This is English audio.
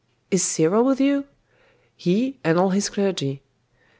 Is Cyril with you?' 'He and all his clergy.